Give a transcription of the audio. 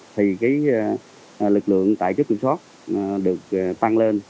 thì cái lực lượng tại chốt kiểm soát được tăng lên